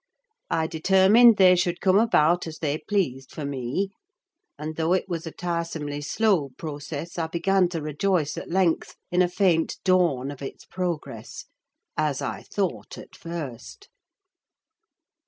I determined they should come about as they pleased for me; and though it was a tiresomely slow process, I began to rejoice at length in a faint dawn of its progress: as I thought at first.